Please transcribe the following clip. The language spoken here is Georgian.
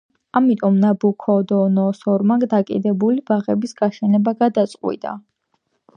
ამიტომ ნაბუქოდონოსორმა დაკიდებული ბაღების გაშენება გადაწყვიტა.